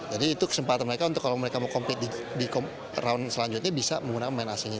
jadi itu kesempatan mereka untuk kalau mereka mau kompetisi di round selanjutnya bisa menggunakan pemain asing